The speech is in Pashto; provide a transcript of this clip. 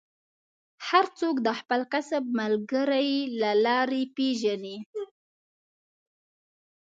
هر څوک د خپل کسب ملګری له لرې پېژني.